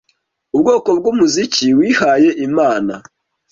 ubwoko bwumuziki wihaye Imana,